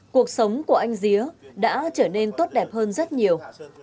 cuộc sống của anh día đã trở nên tốt đẹp hơn rất nhiều